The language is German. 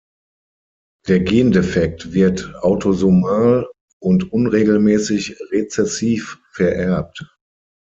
Der Gendefekt wird autosomal und unregelmäßig rezessiv vererbt.